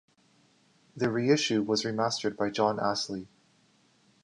The reissue was remastered by Jon Astley.